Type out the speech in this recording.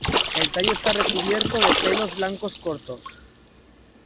El tallo está recubierto de pelos blancos cortos.